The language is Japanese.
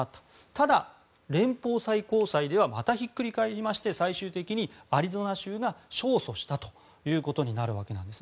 ただ、連邦最高裁ではまたひっくり返りまして最終的にアリゾナ州が勝訴したということになるわけです。